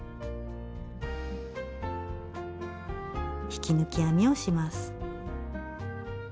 引き抜き編みをします。